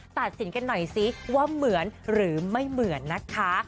ตัดสินกันหน่อยสิว่าเหมือนหรือไม่เหมือนนะคะ